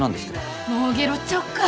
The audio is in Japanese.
もうゲロっちゃおうか。